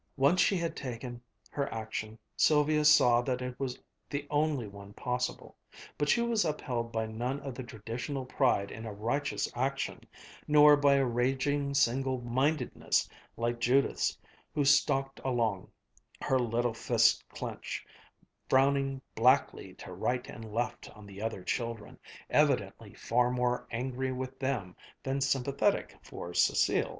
Once she had taken her action, Sylvia saw that it was the only one possible. But she was upheld by none of the traditional pride in a righteous action, nor by a raging single mindedness like Judith's, who stalked along, her little fists clenched, frowning blackly to right and left on the other children, evidently far more angry with them than sympathetic for Cécile.